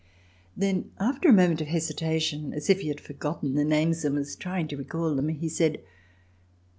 ^" Then after a moment of hesitation, as If he had forgotten the names and was trying to recall them, he said: "Ah!